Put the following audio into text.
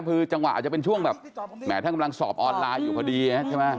คือจังหวะอาจจะเป็นช่วงแบบแหมท่านกำลังสอบออนไลน์อยู่พอดีใช่ไหม